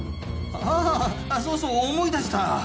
ああそうそう思い出した。